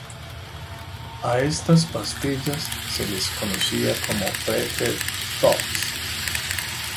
A estas pastillas se las conocía como "Pre-T-tops".